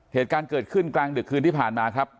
เหตุการณ์เกิดขึ้นกลางดึกคืนที่ผ่านมาครับ